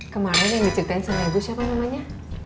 kemarin yang diceritain sama ibu siapa namanya